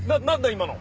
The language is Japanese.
今の。